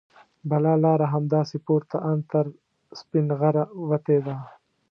بله لاره همداسې پورته ان تر سپینغره وتې ده.